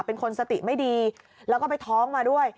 เป็นคนสติไม่ดีแล้วก็ไปท้องมาด้วย